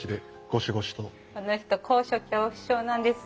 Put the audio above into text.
この人高所恐怖症なんです。